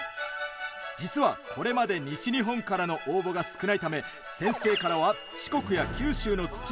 実はこれまで西日本からの応募が少ないため先生からは四国や九州の土も調べたいとのリクエストが。